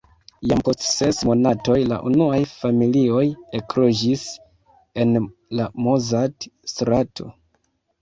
Jam post ses monatoj la unuaj familioj ekloĝis en la Mozart-strato.